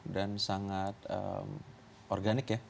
dan sangat organik ya